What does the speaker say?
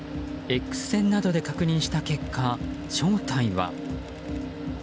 Ｘ線などで確認した結果正体は。